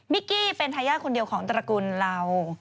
กี้เป็นทายาทคนเดียวของตระกุลเรา